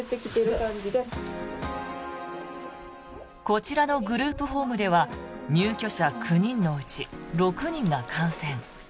こちらのグループホームでは入居者９人のうち６人が感染。